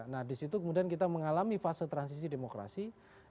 nah disitu kemudian kita mengalami fase transisi demokrasi